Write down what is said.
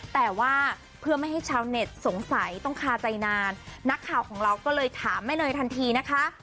แต่ว่าเพื่อไม่ให้ชาวเน็ตสงสัยต้องคาใจนานนักข่าวของเราก็เลยถามแม่เนยทันทีนะคะ